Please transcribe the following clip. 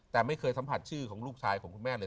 แต่ไม่เคยสัมผัสชื่อของลูกชายของคุณแม่เลย